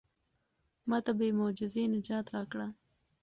ما ته بې معجزې نجات راکړه.